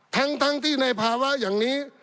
ทั้งที่ในภาวะอย่างนี้